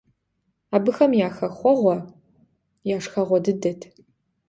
Абыхэм я хэхъуэгъуэ, я шхэгъуэ дыдэт.